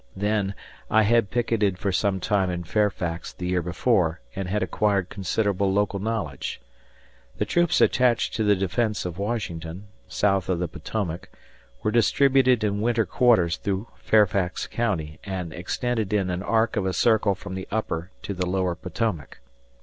Then, I had picketed for some time in Fairfax theyear before and had acquired considerable local knowledge. The troops attached to the defence of Washington, south of the Potomac, were distributed in winter quarters through Fairfax County and extended in an arc of a circle from the upper to the lower Potomac.